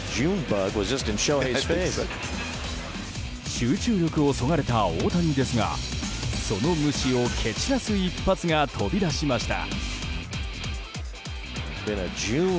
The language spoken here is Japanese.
集中力をそがれた大谷ですがその虫を蹴散らす一発が飛び出しました。